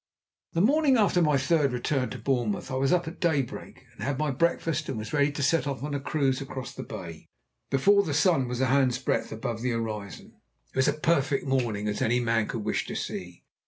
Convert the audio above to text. The morning after my third return to Bournemouth I was up by daybreak, and had my breakfast, and was ready to set off on a cruise across the bay, before the sun was a hand's breadth above the horizon. It was as perfect a morning as any man could wish to see.